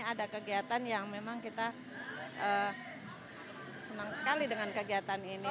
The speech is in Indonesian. karena ada kegiatan yang memang kita senang sekali dengan kegiatan ini